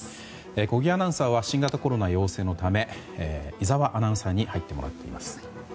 小木アナウンサーは新型コロナ陽性のため井澤アナウンサーに入ってもらっています。